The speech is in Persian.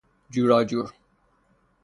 جوراجور